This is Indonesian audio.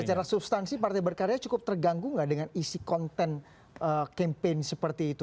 secara substansi partai berkarya cukup terganggu gak dengan isi konten campaign seperti itu